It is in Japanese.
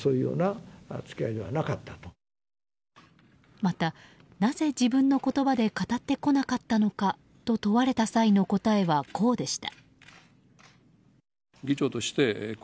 また、なぜ自分の言葉で語ってこなかったのかと問われた際の答えはこうでした。